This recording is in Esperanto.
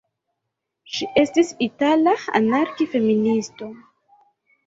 Ŝi estis itala anarki-feministo.